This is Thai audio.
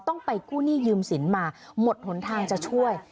ต้องไปกู้หนี้ยืมสินมาหมดหนทางจะช่วย